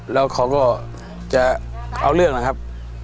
แล้วเขาก็จะเอาเรื่องนะครับ